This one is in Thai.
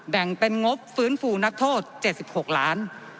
แบ่งเป็นงบฟื้นฟูนักโทษ๗๖ล้าน